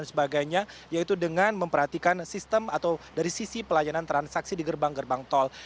sebagainya yaitu dengan memperhatikan sistem atau dari sisi pelayanan transaksi di gerbang gerbang tol